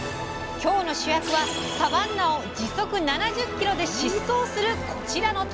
今日の主役はサバンナを時速７０キロで疾走するこちらの鳥。